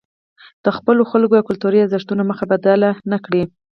د خپلو خلکو او کلتوري ارزښتونو مخه بدله نکړي.